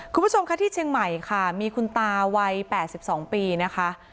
คุณผู้ชมค่ะที่เชียงใหม่ค่ะมีคุณตาวัย๘๒ปีนะคะ